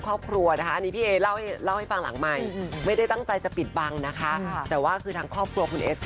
เขาปู่ไปตั้งแต่ช่วงเรื่องตั้ง